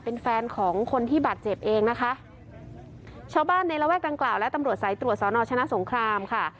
เป็นแฟนของคนที่บาดเจ็บเองนะคะชาวบ้านในระแวกดังกล่าวและตำรวจสายตรวจสอนอชนะสงครามค่ะ